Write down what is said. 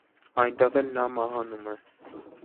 Այնտեղ էլ նա մահանում է։